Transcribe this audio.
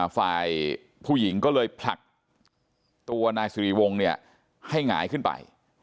ฝ่ายผู้หญิงก็เลยผลักตัวนายสิริวงศ์เนี่ยให้หงายขึ้นไป